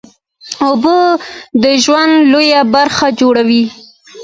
اوبه د ژوند لویه برخه جوړوي